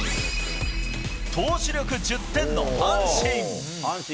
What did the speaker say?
投手力１０点の阪神。